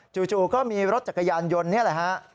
จู่ก็มีรถจักรยานยนต์นี่แหละฮะ